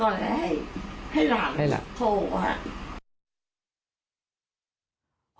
ไม่รองรอยธวงหลัง